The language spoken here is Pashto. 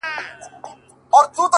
ستا د يادونو فلسفې ليكلي _